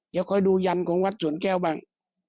เดี๋ยวคอยดูยันของวัดสวนแก้วบ้าง